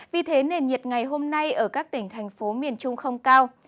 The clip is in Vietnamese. vì thế nền nhiệt ngày hôm nay ở các tỉnh thành phố miền trung không cao